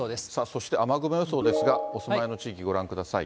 そして雨雲予想ですが、お住まいの地域、ご覧ください。